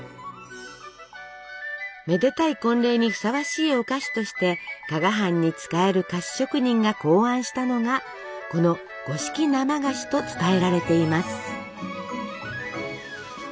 めでたい婚礼にふさわしいお菓子として加賀藩に仕える菓子職人が考案したのがこの五色生菓子と伝えられています。